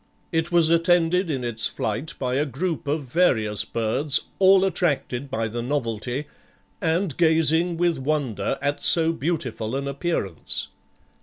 It was attended in its flight by a group of various birds, all attracted by the novelty, and gazing with wonder at so beautiful an appearance."